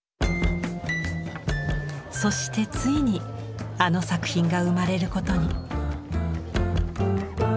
そしてついにあの作品が生まれることに。